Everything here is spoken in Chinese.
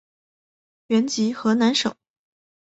原籍河南省。